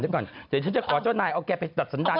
เดี๋ยวฉันจะขอเจ้านายเอาแกไปดับสัญญาณ